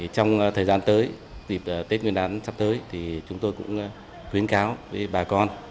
trong thời gian tới dịp tết nguyên đán sắp tới thì chúng tôi cũng khuyến cáo với bà con